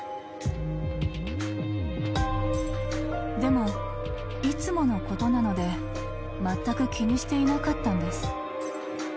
［でもいつものことなのでまったく気にしていなかったんです］